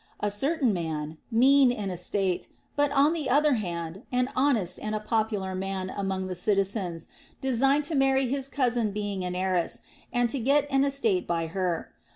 A certain man, mean in estate, but on the other hand an honest and a popular man among the citizens, designed to marry his cousin being an heiress, and to get an estate by her.